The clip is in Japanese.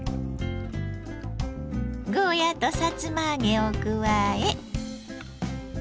ゴーヤーとさつま揚げを加え。